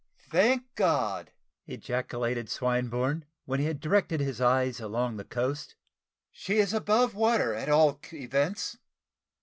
"Thank God!" ejaculated Swinburne, when he had directed his eyes along the coast; "she is above water, at all events!"